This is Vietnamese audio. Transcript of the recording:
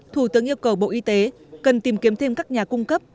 thủ tướng yêu cầu bộ y tế cần tìm kiếm thêm các nhà cung cấp